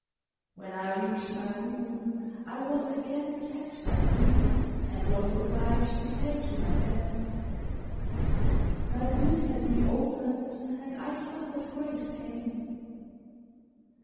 When I reached my room I was again attacked by fever and was obliged to take to my bed. My wound had reopened and I suffered great pain.